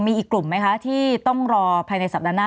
มีอีกกลุ่มไหมคะที่ต้องรอภายในสัปดาห์หน้า